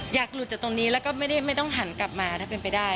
อยากหลุดจากตรงนี้แล้วก็ไม่ต้องหันกลับมาถ้าเป็นไปได้